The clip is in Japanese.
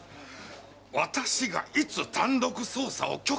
私がいつ単独捜査を許可しました！？